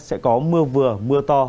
sẽ có mưa vừa mưa to